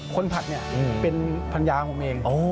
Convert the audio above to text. คนผัดเป็นภรรยาผมเอง